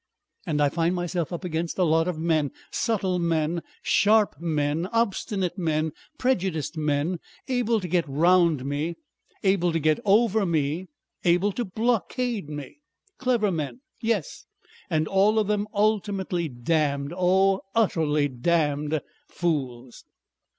And I find myself up against a lot of men, subtle men, sharp men, obstinate men, prejudiced men, able to get round me, able to get over me, able to blockade me.... Clever men yes, and all of them ultimately damned oh! utterly damned fools.